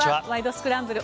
スクランブル」